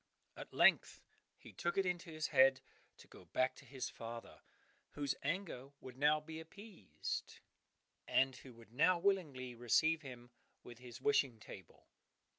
At length he took it into his head to go back to his father, whose anger would now be appeased, and who would now willingly receive him with his wishing table.